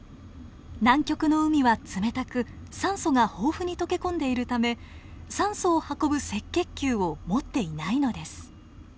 南極の海は冷たく酸素が豊富に溶け込んでいるため酸素を運ぶ赤血球を持っていないのです。